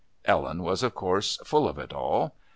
Ellen was, of course, full of it all.